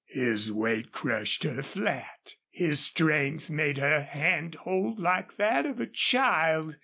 His weight crushed her flat his strength made her hand hold like that of a child.